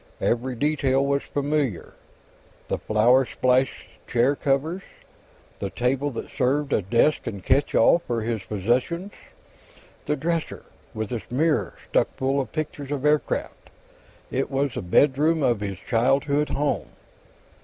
Every detail was familiar: the flower splashed chair covers; the table that served as desk and catch all for his possessions; the dresser, with its mirror stuck full of pictures of aircraft. It was the bedroom of his childhood home.